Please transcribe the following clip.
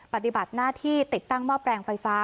ปฏิบัติหน้าที่ติดตั้งหม้อแปลงไฟฟ้า